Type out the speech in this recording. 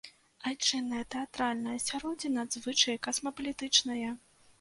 Айчыннае тэатральнае асяроддзе надзвычай касмапалітычнае.